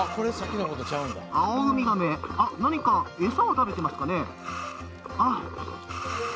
アオウミガメ何か餌を食べてますかね。